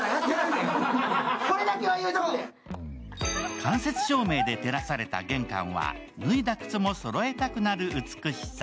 間接照明で照らされた玄関は脱いだ靴もそろえたくなる美しさ。